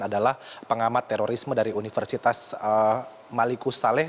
adalah pengamat terorisme dari universitas maliku saleh